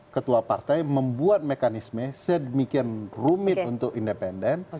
ketua partai membuat mekanisme sedemikian rumit untuk independen